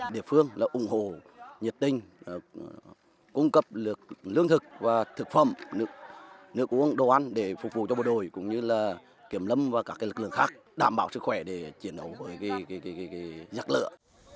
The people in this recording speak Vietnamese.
địa phương ủng hộ nhiệt tình cung cấp lượng lương thực và thực phẩm nước uống đồ ăn để phục vụ cho bộ đội cũng như kiểm lâm và các lực lượng khác đảm bảo sức khỏe để chiến đấu với giặc lửa